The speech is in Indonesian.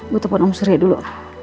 gue telepon om surya dulu